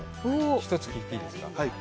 一つ聞いていいですか。